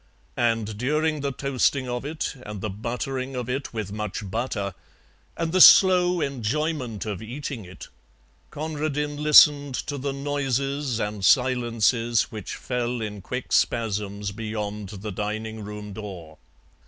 And during the toasting of it and the buttering of it with much butter and the slow enjoyment of eating it, Conradin listened to the noises and silences which fell in quick spasms beyond the dining room door.